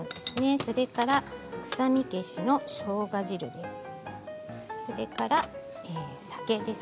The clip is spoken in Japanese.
それから、臭み消しのしょうが汁です。